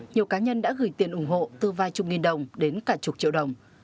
nhiều cá nhân đã gửi tiền ủng hộ từ vài chục nghìn đồng đến cả chục triệu đồng